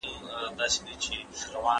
هغوی له خپلو تېروتنو زده کړه وکړه.